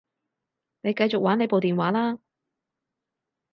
你繼續玩你部電話啦